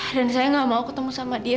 dan saya nggak mau ketemu sama dia